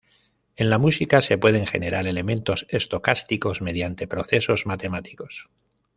En la música, se pueden generar elementos estocásticos mediante procesos matemáticos.